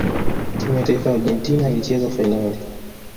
fimu ya taifa ya Argentina ilicheza fainali